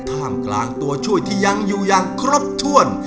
ท่ามกลางตัวช่วยที่ยังอยู่อย่างครบถ้วน